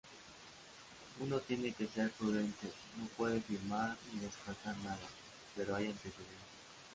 Uno tiene que ser prudente, no puede confirmar ni descartar nada, pero hay antecedentes"".